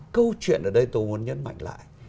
câu chuyện ở đây tôi muốn nhấn mạnh lại